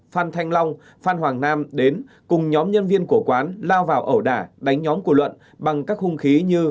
phan thanh long phan hoàng nam đến cùng nhóm nhân viên của quán lao vào ẩu đả đánh nhóm của luận bằng các hung khí như